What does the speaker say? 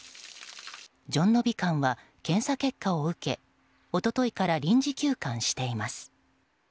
じょんのび館は検査結果を受け一昨日から臨時休館しています。